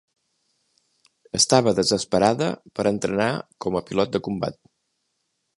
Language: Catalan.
Estava desesperada per entrenar com a pilot de combat.